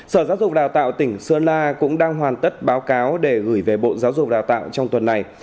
sở giáo dục đào tạo tỉnh sơn la cũng đang hoàn tất báo cáo để gửi về bộ giáo dục đào tạo trong tuần này